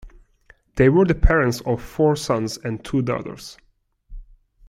They were the parents of four sons and two daughters.